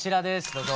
どうぞ。